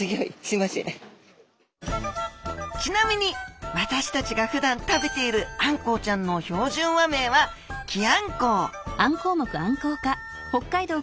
ちなみに私たちがふだん食べているあんこうちゃんの標準和名はキアンコウ。